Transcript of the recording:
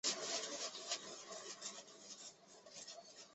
在艺术作品上涅赫贝特被描绘成一只秃鹰。